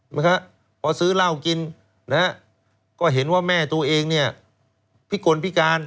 เพราะซื้อเหล้ากินก็เห็นว่าแม่ตัวเองพิกลพิการ